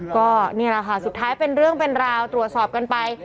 ก็นี่แหละค่ะสุดท้ายเป็นเรื่องเป็นราวตรวจสอบกันไป